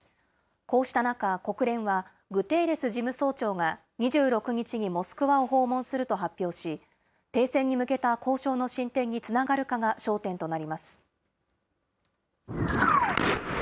こうした中、国連は、グテーレス事務総長が２６日にモスクワを訪問すると発表し、停戦に向けた交渉の進展につながるかが焦点となります。